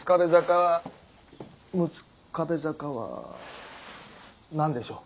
六壁坂は何でしょう？